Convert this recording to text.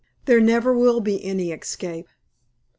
There never will be any escape.